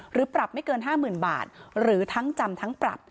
ปรับไม่เกิน๕๐๐๐บาทหรือทั้งจำทั้งปรับ